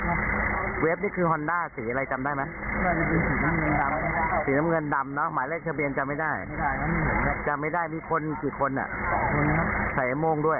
ผมผมก่อนขี่มาแล้วผมเห็นควันเลยครับเห็นควันแล้วมีใคร